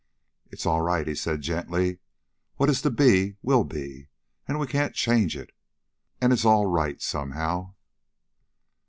"It's all right," he said gently. "What is to be, will be and we can't change it. And it's all right somehow."